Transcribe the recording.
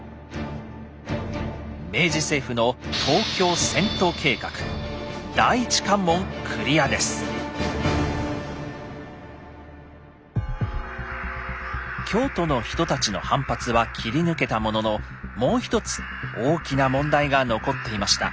明治政府の京都の人たちの反発は切り抜けたもののもう一つ大きな問題が残っていました。